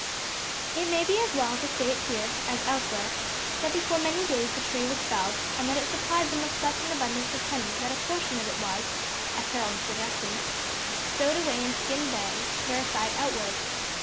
It may be as well to state here, as elsewhere, that before many days the tree was felled, and that it supplied them with such an abundance of honey that a portion of it was, at Harold's suggestion, stowed away in skin bags, hair side outward.